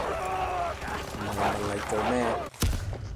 唔係問黎做咩